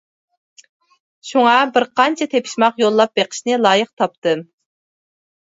شۇڭا بىر قانچە تېپىشماق يوللاپ بېقىشنى لايىق تاپتىم.